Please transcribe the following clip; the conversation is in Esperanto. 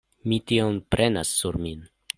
Mi tion prenas sur min.